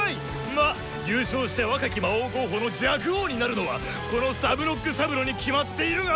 ま優勝して若き魔王候補の若王になるのはこのサブノック・サブロに決まっているが。